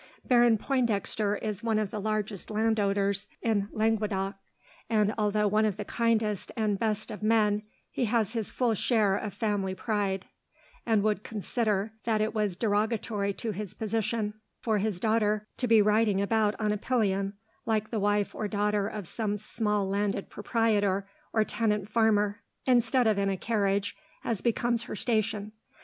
Baron Pointdexter is one of the largest landowners in Languedoc, and although one of the kindest and best of men, he has his full share of family pride, and would consider that it was derogatory to his position for his daughter to be riding about on a pillion, like the wife or daughter of some small landed proprietor or tenant farmer, instead of in a carriage, as becomes her station.